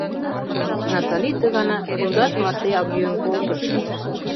Натали ты гана пундаш мартеак йӱын колтыш.